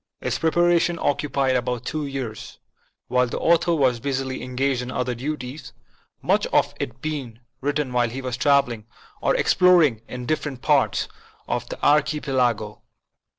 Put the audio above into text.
Its preparation occupied about two years, while the author was busily engaged in other duties, much of it being written while he was traveling or ex ploring in different parts of the Archipelago.